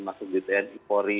maksudnya tni ikori